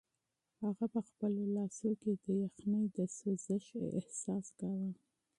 هغه په خپلو لاسو کې د یخنۍ د سوزش احساس کاوه.